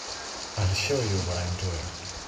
I'll show you what I'm doing.